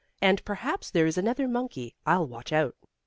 "And perhaps there is another monkey. I'll watch out."